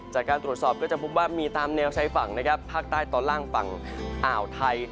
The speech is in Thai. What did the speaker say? จากการตรวจสอบก็จะพบว่ามีตามแนวชายฝั่งนะครับภาคใต้ตอนล่างฝั่งอ่าวไทย